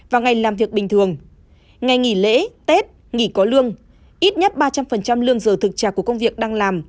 vào ngày làm việc bình thường ngày nghỉ lễ tết nghỉ có lương ít nhất ba trăm linh lương giờ thực trạng của công việc đang làm